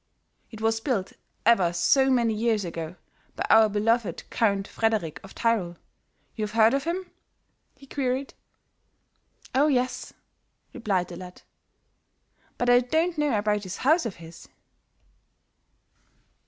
"It was built ever so many years ago by our beloved Count Frederick of Tyrol. You've heard of him?" he queried. "Oh, yes," replied the lad. "But I don't know about this house of his."